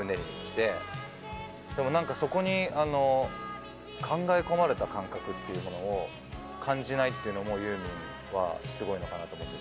そこに考え込まれた感覚というものを感じないっていうのもユーミンはすごいのかなと思ってて。